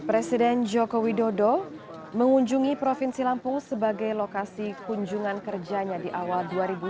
presiden joko widodo mengunjungi provinsi lampung sebagai lokasi kunjungan kerjanya di awal dua ribu sembilan belas